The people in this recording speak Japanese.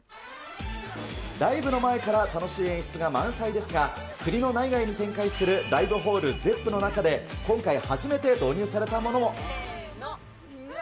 ライブの前から楽しい演出が満載ですが、国の内外に展開するライブホールゼップの中で、今回初めて導入されたものも。